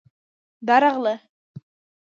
_درغله.